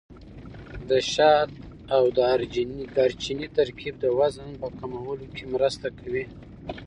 د شات او دارچیني ترکیب د وزن په کمولو کې مرسته کوي.